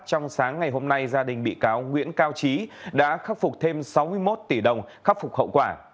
trong sáng ngày hôm nay gia đình bị cáo nguyễn cao trí đã khắc phục thêm sáu mươi một tỷ đồng khắc phục hậu quả